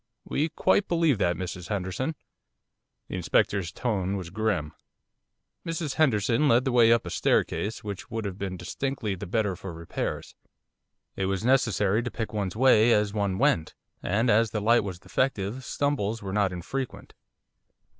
'We quite believe that, Mrs Henderson.' The Inspector's tone was grim. Mrs Henderson led the way up a staircase which would have been distinctly the better for repairs. It was necessary to pick one's way as one went, and as the light was defective stumbles were not infrequent.